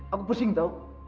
aku pusing tau